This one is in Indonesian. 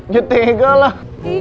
ya tinggal lah